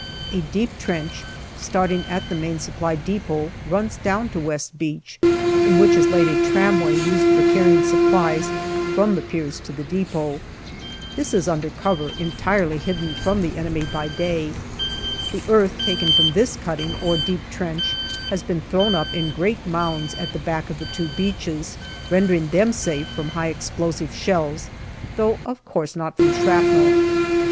A deep trench, starting at the Main Supply depot, runs down to West Beach, in which is laid a tramway used for carrying supplies from the piers to the depot. This is under cover, entirely hidden from the enemy by day. The earth taken from this cutting or deep trench has been thrown up in great mounds at the back of the two beaches, rendering them safe from high explosive shells, though, of course, not from shrapnel.